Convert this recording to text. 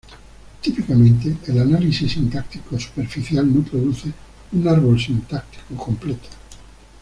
Típicamente, el análisis sintáctico superficial no produce un árbol sintáctico completo.